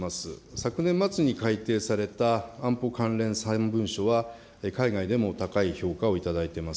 昨年末に改定された安保関連３文書は、海外でも高い評価を頂いています。